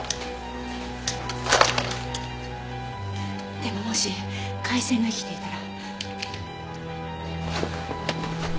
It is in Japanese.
でももし回線が生きていたら。